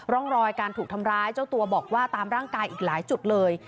ร่องรอยการถูกทำร้ายเจ้าตัวบอกว่าตามร่างกายอีกหลายจุดเลย